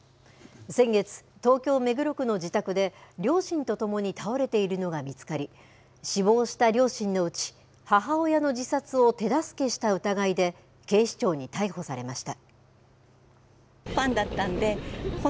先月、東京・目黒区の自宅で、両親とともに倒れているのが見つかり、死亡した両親のうち、母親の自殺を手助けした疑いで、警視庁に逮捕されました。